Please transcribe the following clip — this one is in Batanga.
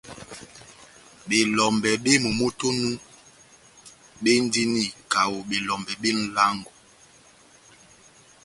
Belɔmbɛ bep momó tɛ́h onu béndini kaho belɔmbɛ bé nʼlángo.